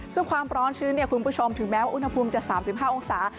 ซึ่งความร้อนชื้นคุณผู้ชมถึงแม้ว่าอุณหภูมิจะ๓๕องศา